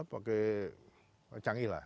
pakai canggih lah